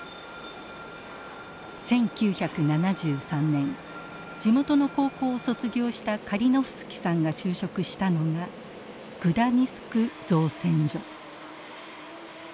１９７３年地元の高校を卒業したカリノフスキさんが就職したのがグダニスク造船所。